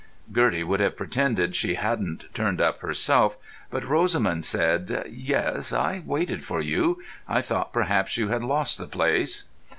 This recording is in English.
Gertie would have pretended she hadn't turned up herself, but Rosamund said, "Yes, I waited for you. I thought perhaps you had lost the place."